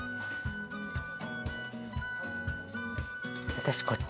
私こっち。